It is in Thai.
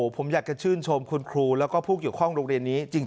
ผมอยากจะชื่นชมคุณครูและผู้จอคล่องโวงเรียนนี้จริง